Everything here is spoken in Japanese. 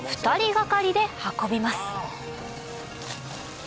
２人がかりで運びます